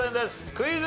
クイズ。